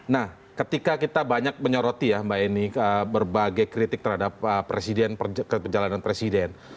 nah ketika kita banyak menyoroti ya mbak eni berbagai kritik terhadap presiden perjalanan presiden